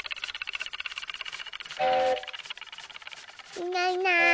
いないいない。